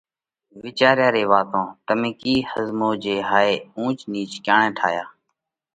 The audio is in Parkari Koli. وِيچاريا ري واتون تمي ڪِي ۿزموه جي هائِي اُونچ نِيچ ڪيڻئہ ٺاياه؟